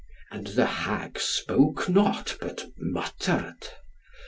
And the hag spoke not but muttered.